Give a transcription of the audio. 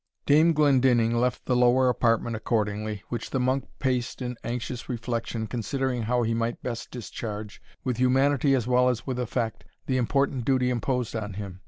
Dame Glendinning left the lower apartment accordingly, which the monk paced in anxious reflection, considering how he might best discharge, with humanity as well as with effect, the important duty imposed on him.